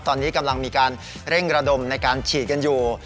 ตอนนี้กำลังมีการเร่งระดมในการฉีดกันอยู่